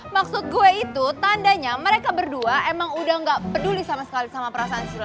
maksud gue itu tandanya mereka berdua emang udah gak peduli sama sekali sama perasaan sila